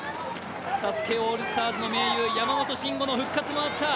ＳＡＳＵＫＥオールスターズの盟友、山本進悟の復活もあった